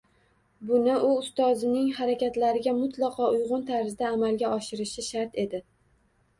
Buni u ustozining harakatlariga mutlaqo uyg‘un tarzda amalga oshirishi shart edi.